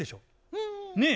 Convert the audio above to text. うん。ねえ。